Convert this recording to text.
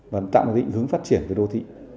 và tạo ra định hướng phát triển đô thị